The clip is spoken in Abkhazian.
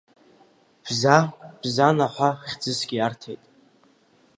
Бза, Бзана ҳәа хьӡысгьы иарҭеит.